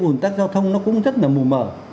ủn tắc giao thông nó cũng rất là mù mở